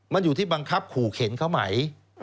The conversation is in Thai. มันอยู่ที่บังคับขู่เข็นเขาไหม